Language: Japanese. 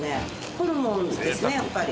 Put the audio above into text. ホルモンですねやっぱり。